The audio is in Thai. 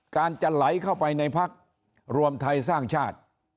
การจะไหลเข้าไปในพักรวมไทยสร้างชาติ